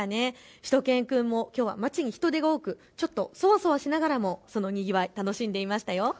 しゅと犬くんもきょうは街に人出が多くちょっとそわそわしながらもそのにぎわい楽しんでいましたよ。